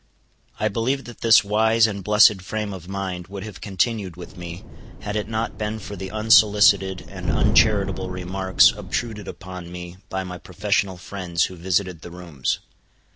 I believe that this wise and blessed frame of mind would have continued with me, had it not been for the unsolicited and uncharitable remarks obtruded upon me by my professional friends who visited the rooms.